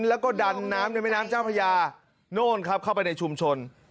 แล้วก็ดันน้ำในแม่น้ำเจ้าพญาโน่นครับเข้าไปในชุมชน